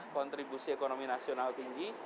kontribusi ekonomi nasional tinggi